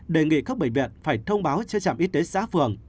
đề nghị các bệnh viện phải thông báo cho trạm y tế xã phường